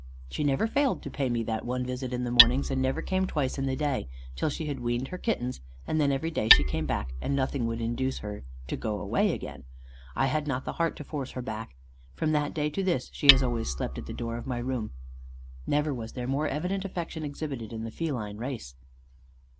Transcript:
She never failed to pay me that one visit in the morning, and never came twice in the day, till she had weaned her kittens, and then every day she came back, and nothing would induce her to go away again: I had not the heart to force her back. From that day to this she has always slept at the door of my room.' Never was there more evident affection exhibited in the feline race."